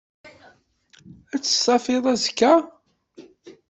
Att stafiḍ azekka?